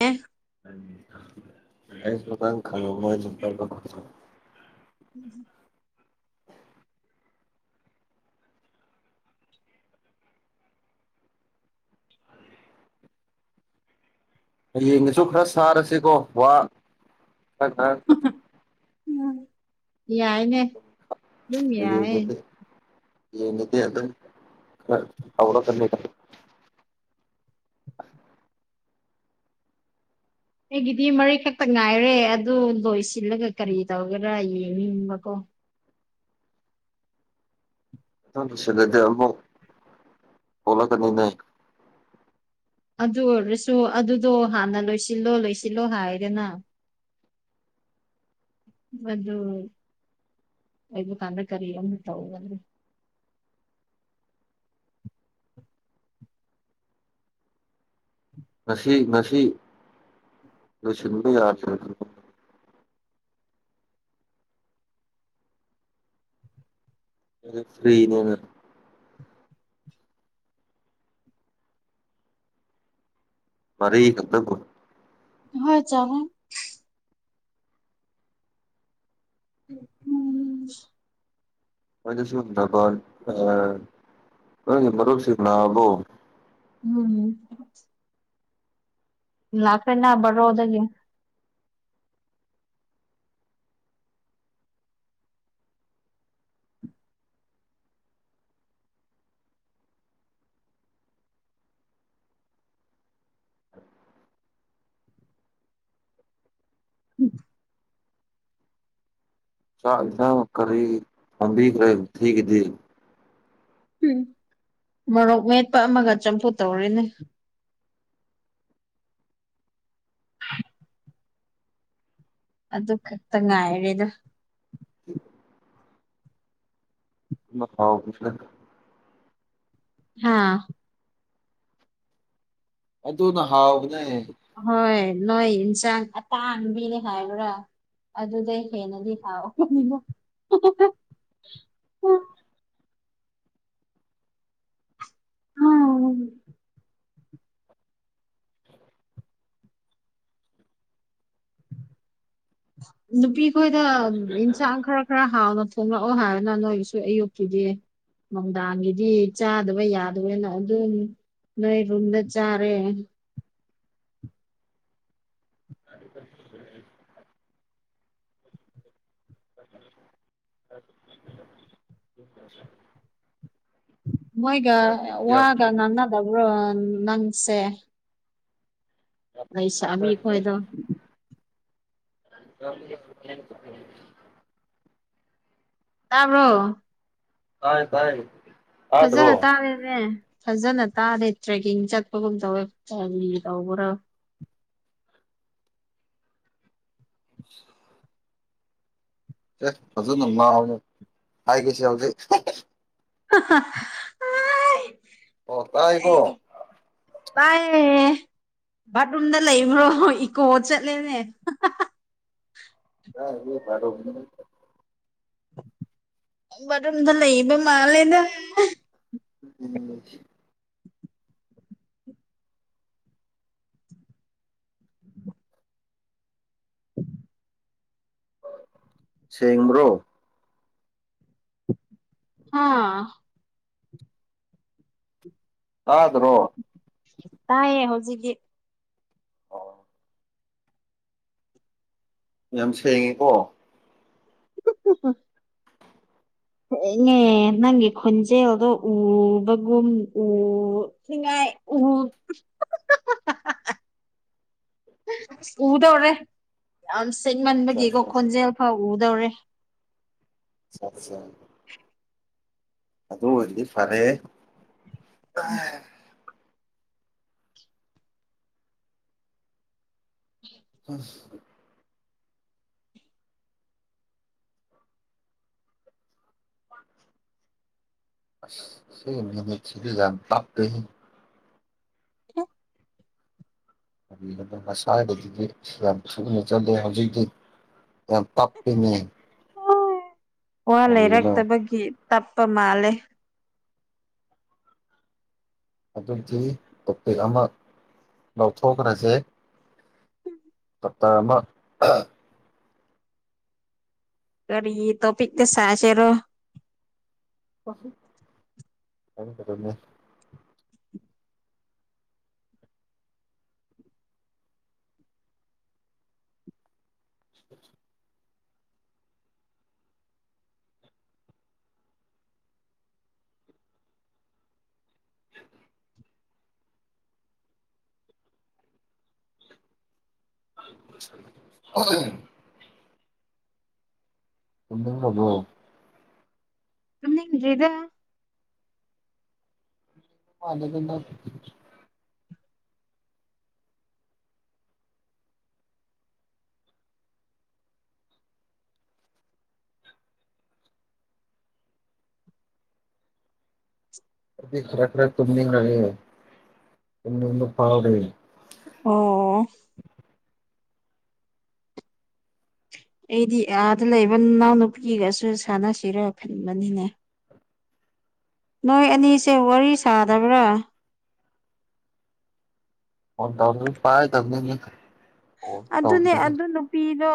ꯑ ꯁ ꯃ ꯀ ꯈ ꯃꯄꯔ ꯎꯝ ꯍꯌꯦꯡꯗꯁꯨ ꯈꯔ ꯁꯥꯔꯁꯤꯀꯣ ꯋꯥ ꯈ ꯈ ꯎꯝ ꯌꯥꯏꯅꯦ ꯑꯗꯨꯝ ꯌꯥꯏ ꯌꯦꯗꯤ ꯑ ꯑꯗꯨ ꯇꯧ ꯇ ꯑꯩꯒꯤꯗꯤ ꯃꯔꯔꯤ ꯈꯛꯇ ꯉꯥꯏꯔꯦ ꯑꯗꯨ ꯂꯣꯏꯁꯤꯜꯂꯒ ꯀꯔꯤ ꯇꯧꯒꯦꯔꯥ ꯌꯦꯡꯅꯤꯡꯕꯀꯣ ꯁꯗꯗꯃ ꯍꯂ ꯀꯅꯤ ꯅꯩꯅ ꯑꯗꯨ ꯑꯣꯏꯔꯁꯨ ꯑꯗꯨꯗꯣ ꯍꯥꯟꯅ ꯂꯣꯏꯁꯤꯜꯂꯣ ꯂꯣꯏꯁꯤꯜꯂꯣ ꯍꯥꯏꯗꯦꯅ [inaudible] ꯃ ꯑꯣꯏꯕ ꯀꯥꯟꯗ ꯀꯔꯤ ꯑꯃ ꯇꯧꯒꯗꯦ [inaudible] ꯉꯁꯤ ꯉꯁꯤ ꯂꯣꯏꯁꯤꯟꯕ ꯌꯥꯗ꯭ꯔ ꯐ꯭ꯔꯔꯤꯅꯦꯅ ꯃꯔ ꯈꯗ ꯍꯣꯏ ꯆꯉꯣꯏ ꯎꯝ ꯃꯅꯁꯨ ꯊ ꯃꯔꯔꯨꯞꯁꯤꯅꯕꯣ ꯎꯝ ꯂ ꯀꯅ ꯔ꯭ꯔꯣꯗꯒꯦ ꯎꯝ ꯆꯥꯛ ꯏꯊ ꯀꯔꯤ ꯐꯝꯕꯤꯈ꯭ꯔꯦ ꯊꯤꯈꯤꯗꯤ ꯎꯝ ꯃꯣꯔꯣꯛ ꯃꯦꯠꯄ ꯑꯃꯒ ꯆꯝꯐꯨ ꯇꯧꯔꯤꯅꯦ ꯑꯗꯨ ꯈꯛꯇ ꯉꯥꯏꯔꯦꯗ ꯍꯥꯎ ꯍꯥꯥ ꯑꯗꯨꯅ ꯍꯥꯎꯕꯅꯦ ꯍꯣꯏ ꯅꯣꯏ ꯌꯦꯟꯁꯥꯡ ꯑꯇꯥꯡꯕꯤꯔꯦ ꯍꯥꯏꯕ꯭ꯔꯥ ꯑꯗꯨꯗꯩ ꯍꯦꯟꯅꯗꯤ ꯊꯥꯛꯑꯣ ꯅꯨꯄꯤꯈꯣꯏꯗ ꯌꯦꯟꯁꯥꯡ ꯈꯔ ꯈꯔ ꯍꯥꯎꯅ ꯍꯣꯡꯂꯛꯑꯣ ꯍꯥꯏꯔꯅ ꯅꯣꯏꯒꯤꯁꯨ ꯑꯌꯨꯛꯀꯤꯗꯤ ꯅꯨꯡꯗꯥꯡꯒꯤꯗꯤ ꯆꯥꯗꯕ ꯌꯥꯗꯕꯅ ꯑꯗꯨꯝ ꯅꯣꯏ ꯔꯨꯗ ꯆꯥꯔꯦ ꯑ [inaudible] ꯃꯣꯏꯒ ꯌꯥꯝ ꯌꯥꯝ ꯋꯥꯒ ꯅꯅꯥꯗꯕ꯭ꯔꯣ ꯅꯪꯁꯦ ꯑꯩꯁꯥꯃꯤ ꯈꯣꯏꯗ [inaudible] ꯇꯥꯕ꯭ꯔꯣ ꯑ ꯐꯔ ꯐꯖꯅ ꯇꯥꯔꯦꯅꯦ ꯐꯖꯅ ꯇꯥꯗꯦ ꯇ꯭ꯔꯦꯛꯀꯤꯡ ꯆꯠꯄꯒꯨꯝ ꯇꯧꯋ ꯀꯔꯤ ꯇꯧꯕ꯭ꯔꯣ [inaudible] ꯑꯦ ꯍꯧ ꯃꯥ ꯍꯧ ꯍꯥꯏꯥꯏ ꯀꯦꯁꯤ ꯍꯧꯥꯎꯒ [inaudible] ꯑꯣ ꯇꯥꯏꯀꯣ ꯏ ꯕꯥꯠꯔꯨꯝꯗ ꯂꯩꯕ꯭ꯔꯣ ꯏꯀꯣ ꯆꯠꯂꯦꯅꯦ ꯌꯥ ꯐꯔ ꯑꯗ ꯂꯩꯕ ꯃꯥ ꯂꯩꯗ ꯁꯤ ꯎꯝ ꯁꯦꯡ꯭ꯔꯣ ꯑꯥ ꯇꯗ꯭ꯔꯣ ꯇꯥꯏꯌꯦ ꯍꯧꯖꯤꯛꯀꯤ ꯌꯥꯝ ꯁꯦꯡꯉꯦꯀꯣ [inaudible] ꯅꯪꯒꯤ ꯈꯟꯖꯦꯜꯗꯣ ꯎꯕꯒꯨꯝ ꯎ [inaudible] ꯎꯗꯧꯔ ꯑꯠꯆꯥ ꯆꯠꯃꯟꯕꯒꯤꯀꯣ ꯈꯣꯟꯖꯦꯜ ꯐꯥꯎ ꯎꯗꯧꯔꯦ ꯑꯗꯨ ꯑꯣꯏꯗꯤ ꯐꯔꯦ [inaudible] ꯎꯝ [inaudible] ꯁꯤ ꯅ ꯆꯗꯤꯖꯝ ꯄꯞꯄ ꯍꯣ ꯑꯗꯨꯁꯕꯗꯤ ꯌꯥꯝ ꯁꯨꯅ ꯆꯠꯂꯦ ꯍꯧꯖꯤꯛꯇꯤ ꯑ ꯇꯞꯅꯦ ꯋꯥ ꯂꯩꯔꯛꯇꯕꯒꯤ ꯇꯞꯄ ꯃꯥꯜꯂꯦ ꯑꯗꯨꯗꯤ ꯇꯣꯄꯤꯛ ꯑꯃ ꯂꯧꯊꯣꯛꯈ꯭ꯔꯁꯦ ꯄꯠꯇꯥꯔꯃ ꯀꯔꯤ ꯇꯣꯄꯤꯛ ꯇ ꯁꯥ ꯆꯔꯣ [unintelligible] [unintelligible] [inaudible] [unintelligible] ꯍꯗꯕꯣ ꯀꯔꯤꯗ ꯃꯥꯗ ꯀ ꯈꯔ ꯈꯔ ꯇꯃꯤꯒ ꯄꯔꯣꯅꯤ ꯑꯣ ꯑꯩꯗꯤ ꯑꯥꯗ ꯂꯩꯕ ꯏꯅꯥꯎꯅꯨꯄꯤꯒꯁꯨ ꯁꯥꯟꯅꯁꯤꯔ ꯈꯟꯕꯅꯤꯅꯦ [inaudible] ꯅꯣꯏ ꯑꯅꯤꯁꯦ ꯋꯥꯔꯤ ꯁꯥꯗꯕ꯭ꯔꯥ ꯋꯥꯟ ꯊꯥꯎꯖ ꯐꯥꯏ ꯇ ꯑꯗꯨꯅꯦ ꯑꯗꯨ ꯅꯨꯄꯤꯗꯣ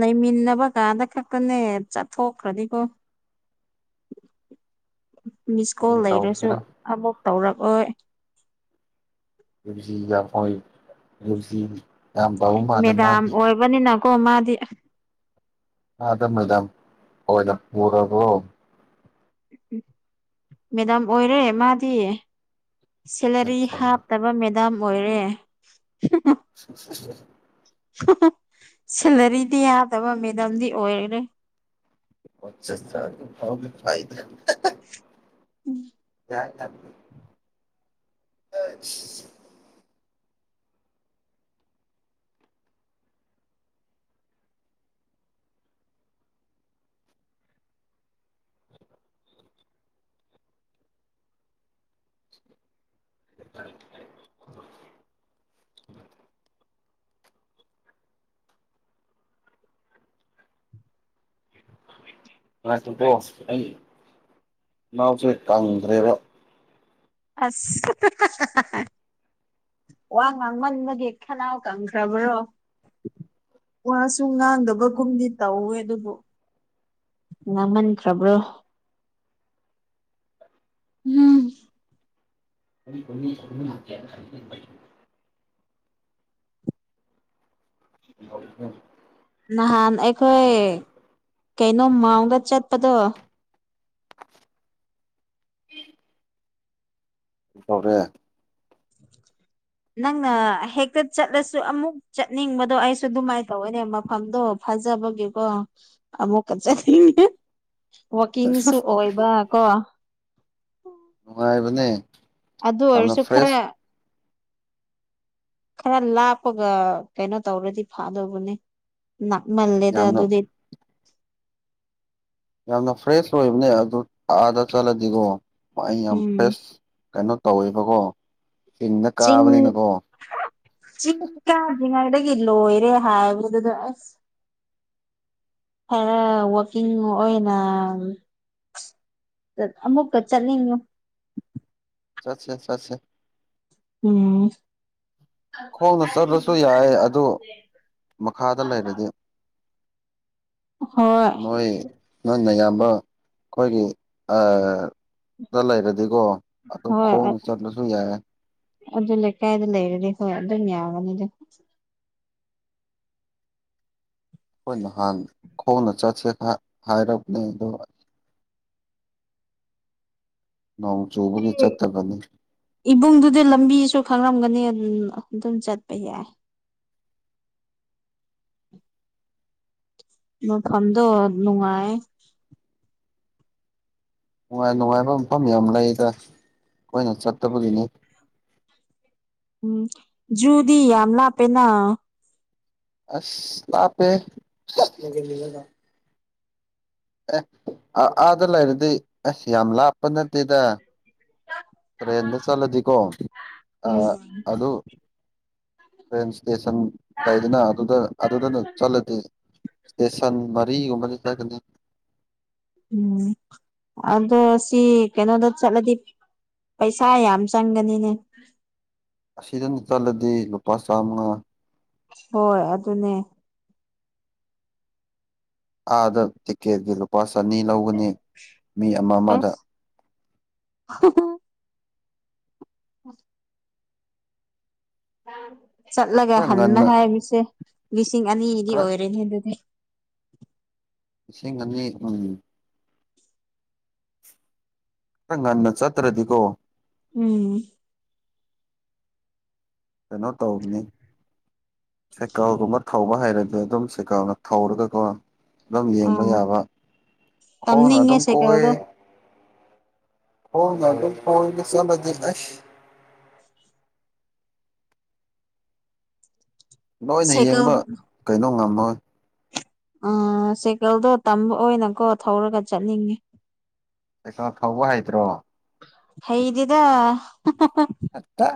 ꯂꯩꯃꯤꯟꯅꯕ ꯀꯀꯥꯗ ꯈꯛꯇꯅꯦ ꯆꯠꯊꯣꯛꯈ꯭ꯔꯅꯤꯀꯣ ꯃꯤꯁ ꯀꯣꯜ ꯀꯔꯤ ꯂꯩꯔꯁꯨ ꯇꯧꯁꯤꯔ ꯑꯃꯕꯛ ꯇꯧꯔꯛꯑꯣ ꯌꯁꯤꯣꯏ ꯌꯁꯤ ꯃꯦꯗꯥꯝ ꯑꯣꯏꯕꯅꯤꯅꯀꯣ ꯃꯥꯗꯤ ꯑꯗ ꯃꯗꯥꯝ ꯑꯣꯂꯦꯝ ꯄꯨꯔꯔꯕꯣ ꯃꯦꯗꯥꯝ ꯑꯣꯏꯔꯦ ꯃꯥꯗꯤ ꯁꯦꯂꯔꯤ ꯍꯥꯞꯇꯕ ꯃꯦꯗꯥꯝ ꯑꯣꯏꯔꯦ [inaudible] ꯁꯦꯂꯔꯤꯗꯤ ꯌꯥꯗꯕ ꯃꯦꯗꯥꯝꯗꯤ ꯑꯣꯏꯔꯦ ꯐꯩꯗ ꯂ [inaudible] ꯑ [inaudible] [inaudible] ꯉꯀꯣ ꯑꯩ ꯅꯥꯎꯁꯦ ꯀꯪꯗ꯭ꯔꯦꯕ ꯑꯁ ꯋꯥ ꯉꯪꯃꯟꯕꯒꯤ ꯈꯅꯥꯎ ꯀꯪ ꯈ꯭ꯔꯕ꯭ꯔꯣ ꯋꯥꯁꯨ ꯉꯥꯡꯗꯕꯒꯨꯝꯗꯤ ꯇꯧꯋꯦ ꯑꯗꯨꯕꯨ ꯉꯃꯟꯇ꯭ꯔꯕ꯭ꯔꯣ [inaudible] ꯀ ꯈꯨꯃ ꯍ ꯍ [inaudible] ꯅꯍꯥꯟ ꯑꯩꯈꯣꯏ ꯀꯩꯅꯣ ꯃꯥꯎꯟꯗ ꯆꯠꯄꯗꯣ ꯎ ꯇꯧꯔꯦ ꯅꯪꯅ ꯍꯦꯛꯇ ꯆꯠꯂꯁꯨ ꯑꯃꯨꯛ ꯆꯠꯅꯤꯡꯕꯗꯣ ꯑꯩꯁꯨ ꯑꯗꯨꯃꯥꯏꯅ ꯇꯧꯅꯦ ꯃꯐꯝꯗꯣ ꯊꯥꯖꯕꯒꯤꯀꯣ ꯑꯃꯨꯛ ꯀꯠꯆꯅꯤꯡꯉꯦ ꯋꯥꯀꯤꯡꯁꯨ ꯑꯣꯏꯕ ꯀꯣ ꯅꯨꯡꯉꯥꯏꯕꯅꯦ ꯌꯥꯝꯅ ꯐ꯭ꯔꯦꯁ ꯑꯗꯁꯨꯨꯈ꯭ꯔ ꯈꯔ ꯂꯥꯞꯄꯒ ꯀꯩꯅꯣ ꯇꯧꯔꯗꯤ ꯐꯥꯗꯧꯕꯅꯤ ꯅꯞꯃꯜꯂꯦꯗ ꯌꯥꯝꯅ ꯑꯗꯨꯗꯤ ꯌꯥꯝꯅ ꯐ꯭ꯔꯦꯁ ꯑꯣꯏꯕꯅꯦ ꯑꯗꯨ ꯑꯥꯗ ꯆꯠꯂꯗꯤꯀꯣ ꯑꯩ ꯌꯥꯝ ꯎꯝ ꯐ꯭ꯔꯦꯁ ꯀꯩꯅꯣ ꯇꯧꯋꯦꯕꯀꯣ ꯆꯤꯡꯗ ꯆꯤꯡ ꯀꯥꯕꯅꯤꯅꯀꯣ ꯆꯤꯡ ꯀꯗ꯭ꯔꯤꯉꯩꯗ ꯒꯤ ꯂꯣꯏꯔꯦ ꯍꯥꯏꯕꯗꯨꯗ ꯑꯁ ꯈꯔ ꯋꯀꯤꯡ ꯑꯣꯏꯅ ꯑꯃꯃꯨꯀ ꯆꯂꯤꯅꯨ ꯁꯥꯠꯁꯦ ꯁꯠꯁꯦ ꯎꯝ ꯈꯣꯡꯅ ꯆꯠꯂꯁꯨ ꯌꯥꯏ ꯑꯗꯨ ꯃꯈꯥꯗ ꯂꯩꯔꯗꯤ ꯍꯣꯏ ꯅꯣꯏ ꯅꯣꯏꯅ ꯌꯥꯝ ꯑꯩꯈꯣꯏꯒꯤ ꯗ ꯂꯩꯔ ꯀꯣ ꯑ ꯍꯣꯏ ꯈꯣꯆꯔꯂꯁꯨ ꯌꯥꯏ ꯑꯗꯨ ꯂꯩꯀꯥꯏꯗ ꯂꯩꯔꯗꯤ ꯍꯣꯏ ꯑꯗꯨꯝ ꯌꯥꯒꯅꯤꯗ ꯑꯩꯈꯣꯏ ꯅꯍꯥꯟ ꯈꯣꯡꯅ ꯆꯠꯁꯦ ꯍꯥꯏꯔꯕꯅꯦ ꯑꯗꯣ ꯅꯣꯡ ꯆꯨꯕꯒꯤ ꯑꯩ ꯆꯠꯇꯕꯅꯤ ꯏꯕꯨꯡꯗꯨꯗꯤ ꯂꯝꯕꯤꯁꯨ ꯈꯪꯔꯝꯒꯅꯤ ꯎꯝ ꯑꯗꯨꯝ ꯆꯠꯄ ꯌꯥꯏ ꯃꯐꯝꯗꯣ ꯅꯨꯡꯉꯥꯏ ꯅꯨꯡꯉꯥꯏ ꯅꯨꯡꯉꯥꯏꯕ ꯃꯐꯝ ꯌꯥꯝ ꯂꯩꯗ ꯀꯣꯏꯅ ꯆꯠꯇꯕꯒꯤꯅꯤ ꯎꯝ ꯖꯨꯗꯤ ꯌꯥꯝ ꯂꯄꯦꯅ ꯑꯁ ꯂꯄꯦ ꯑꯦ ꯑꯥꯗ ꯂꯩꯔꯗꯤ ꯑꯁ ꯌꯥꯝ ꯂꯥꯞꯄ ꯅꯠꯇꯦꯗ ꯑꯔꯦꯟ ꯆꯂ ꯊꯀꯣ ꯑ ꯎꯝ ꯑꯗꯨ ꯇ꯭ꯔꯦꯟ ꯏꯁꯇꯦꯁꯟ ꯇꯗꯅ ꯑꯗꯨꯗ ꯑꯗꯨꯗꯅ ꯆꯠꯂꯗꯤ ꯏꯁꯇꯦꯁꯟ ꯃꯔꯤꯒꯨꯝꯕ ꯆ ꯆꯒꯅꯤ ꯎꯝ ꯑꯗꯣ ꯁꯤ ꯀꯩꯅꯣꯗ ꯆꯠꯂꯗꯤ ꯄꯩꯁꯥ ꯌꯥꯝ ꯆꯪꯒꯅꯤꯅꯦ ꯑꯁꯤꯗꯅ ꯆꯜꯂꯗꯤ ꯂꯨꯄꯥ ꯆꯥꯃꯉꯥ ꯍꯣꯏ ꯑꯗꯨꯅꯦ ꯑꯥꯗ ꯇꯤꯛꯀꯦꯠꯀꯤ ꯂꯨꯄꯥ ꯆꯅꯤ ꯂꯧꯒꯅꯤ ꯃꯤ ꯑꯃ ꯑꯃꯗ ꯍ ꯎꯝ ꯆꯠꯂꯒ ꯈꯔ ꯍꯟꯅ ꯉꯟꯅ ꯍꯥꯏꯔꯤꯁꯦ ꯂꯤꯁꯤꯡ ꯑꯅꯤꯗꯤ ꯈꯔ ꯑꯣꯏꯔꯅꯦ ꯑꯗꯨꯗꯤ [inaudible] ꯏꯁꯁꯤꯡ ꯉ ꯏ ꯈꯪ ꯉꯅ ꯆꯠꯇ꯭ꯔꯗꯤꯀꯣ ꯎꯝ ꯀꯩꯅꯣ ꯇꯧꯕꯅꯤ ꯁꯦꯀꯥꯎꯒꯨꯝꯕ ꯊꯧꯕ ꯍꯥꯏꯩꯔꯁꯨ ꯑꯗꯨꯝ ꯁꯦꯀꯥꯎꯅ ꯊꯧꯔꯒꯀꯣ ꯑꯗꯨꯝ ꯌꯦꯡꯕ ꯑꯥ ꯌꯥꯕ ꯍꯣꯡꯅ ꯇꯝꯅꯤꯡꯉꯦ ꯑꯗꯨꯝ ꯀꯣꯏ ꯁꯥꯏꯀꯜꯗꯣ ꯍꯗ ꯐꯗ ꯆꯂꯁ ꯂꯣꯏꯅ ꯁꯥꯏꯀꯜ ꯌꯦꯡꯕ ꯀꯩꯅꯣ ꯉꯝꯃꯣꯏ ꯑꯥ ꯁꯥꯏꯀꯜꯗꯣ ꯇꯝꯕ ꯑꯣꯏꯅꯀꯣ ꯊꯧꯔꯒ ꯆꯠꯅꯤꯡꯉꯦ ꯀꯩꯁ ꯐꯥꯎꯕ ꯍꯥꯏꯗ꯭ꯔꯣ ꯍꯩꯗꯤꯗ ꯍꯦꯛꯇ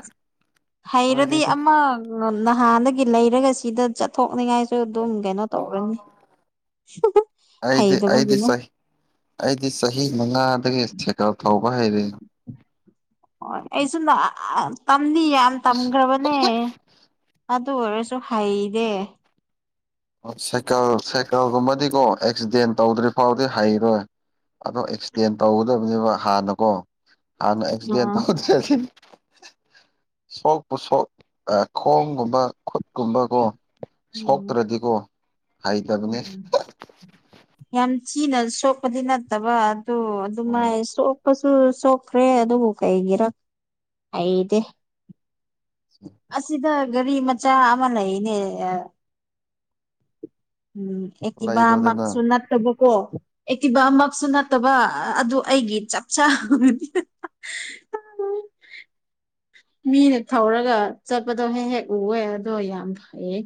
ꯂꯣꯏꯔꯦꯗ ꯍꯩꯔꯗꯤ ꯑꯃꯃ ꯅꯍꯥꯟꯗꯒꯤ ꯂꯩꯔꯒ ꯁꯤꯗ ꯆꯠꯊꯣꯛ ꯄꯣꯛꯅꯤꯡꯉꯥꯏꯁꯨ ꯑꯗꯨꯝ ꯀꯩꯅꯣ ꯇꯧꯔꯅꯤ ꯑꯩꯗꯤ ꯑꯩꯗꯤ ꯍꯩꯇꯕꯒꯤꯅ ꯆꯍꯤ ꯑꯩꯗꯤ ꯆꯍꯤ ꯃꯉꯥꯗꯒꯤ ꯁꯥꯏꯀꯜ ꯊꯧꯕ ꯍꯩꯔ ꯍꯣꯏ ꯑꯩ ꯁꯨꯝ ꯇꯝꯗꯤ ꯌꯥꯝ ꯇꯝꯈ꯭ꯔꯕꯅꯦ ꯑꯗꯨ ꯑꯣꯏꯔꯁꯨ ꯍꯩꯗꯦ ꯁꯥꯏꯀꯜ ꯁꯥꯏꯀꯜꯒꯨꯝꯕꯗꯤꯀꯣ ꯑꯦꯛꯁꯤꯗꯦꯟ ꯇꯧꯗ꯭ꯔꯤ ꯐꯥꯎꯗꯤ ꯍꯩꯔꯣꯏ ꯑꯣ ꯑꯦꯛꯁꯤꯗꯦꯟ ꯇꯧꯒꯗꯕꯅꯦꯕ ꯍꯥꯟꯅꯀꯣ ꯍꯥꯟꯅ ꯑꯦꯛꯁꯤꯗꯦꯟ ꯑꯥ ꯇꯧꯗ꯭ꯔꯦ ꯑꯁꯤ ꯁꯣꯛꯄ ꯁꯣꯛ ꯈꯣꯡꯒꯨꯝꯕ ꯈꯨꯠ ꯀꯨꯝꯕ ꯀꯣ ꯁꯣꯛꯇ꯭ꯔꯗꯤ ꯎꯝ ꯌꯥꯝ ꯆꯤꯅ ꯁꯣꯛꯄꯗꯤ ꯅꯠꯇꯕ ꯑ ꯎꯝ ꯑꯗꯨꯃꯥꯏ ꯁꯣꯛ ꯀꯄꯁꯨ ꯁꯣꯛꯈ꯭ꯔꯦ ꯑꯗꯨꯕꯨ ꯀꯩꯒꯤꯔ ꯑꯩꯗꯦ ꯑꯁꯤꯗ ꯒꯥꯔꯤ ꯃꯆꯥ ꯑꯃ ꯂꯩꯅꯦ ꯎꯝ ꯑꯦ ꯀꯕ ꯑꯃꯥꯛ ꯂꯩꯔꯣꯗꯅ ꯁꯨꯡ ꯅ ꯇ ꯀꯣ ꯑꯦꯛꯇꯤꯚꯃꯛꯁꯨ ꯅꯠꯇꯕ ꯑꯗꯨ ꯑꯩꯒꯤ ꯆꯞ ꯆꯥ [inaudible] ꯃꯤꯅ ꯊꯧꯔꯒ ꯆꯠꯄꯗꯣ ꯍꯦꯛ ꯍꯦꯛ ꯎꯑꯦ ꯑꯗꯣ ꯌꯥꯝ ꯐꯩꯌꯦ